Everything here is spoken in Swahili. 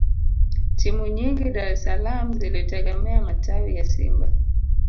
Timu nyingi Dar es salaam zilitegemea matawi ya Simba